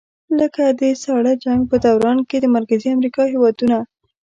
لکه د ساړه جنګ په دوران کې د مرکزي امریکا هېوادونه.